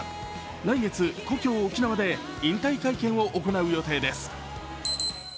来月、故郷・沖縄で引退会見を行う予定です。